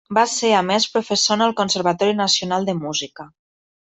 Va ser a més professor en el Conservatori Nacional de Música.